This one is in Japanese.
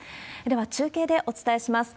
では中継でお伝えします。